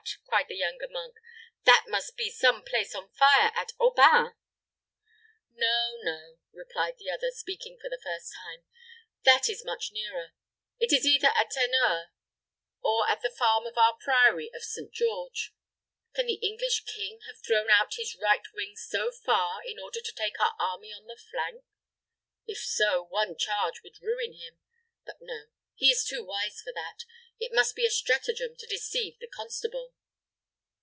cried the younger monk. "That must be some place on fire at Aubain." "No, no," replied the other, speaking for the first time; "that is much nearer. It is either at Teneur, or at the farm of our priory of St. George. Can the English king have thrown out his right wing so far in order to take our army on the flank? If so, one charge would ruin him. But no; he is too wise for that. It must be a stratagem to deceive the Constable."